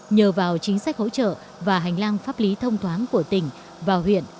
nhờ vào chính sách hỗ trợ và hành lang pháp lý thông thoáng của tỉnh và huyện